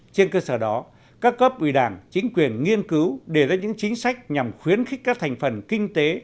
trên cơ sở đó các cấp ủy đảng chính quyền nghiên cứu đề ra những chính sách nhằm khuyến khích các thành phần kinh tế